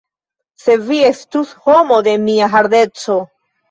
Se vi estus homo de mia hardeco!